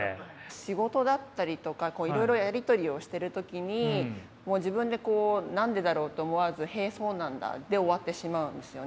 仕事だったりとかいろいろやり取りをしてる時に自分でこう「何でだろう」と思わず「へえそうなんだ」で終わってしまうんですよね。